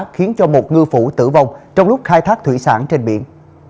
khiến cho một ngư phủ tử vong trong lúc khai thác thủy sản trên biển